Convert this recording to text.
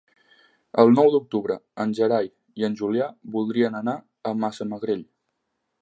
El nou d'octubre en Gerai i en Julià voldrien anar a Massamagrell.